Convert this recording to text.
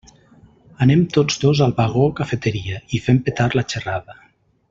Anem tots dos al vagó cafeteria i fem petar la xerrada.